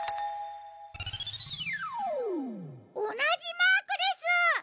おなじマークです！